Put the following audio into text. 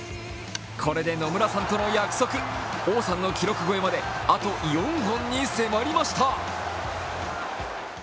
これで野村さんとの約束、王さんの記録超えまであと４本に迫りました。